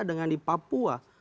dengan di papua